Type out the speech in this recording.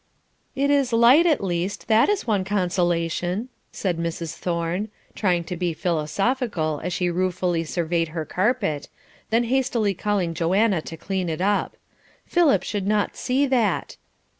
"It is light, at least; that is one consolation." said Mrs. Thorne, trying to be philosophical as she ruefully surveyed her carpet, then hastily calling Joanna to clean it up "Philip should not see that."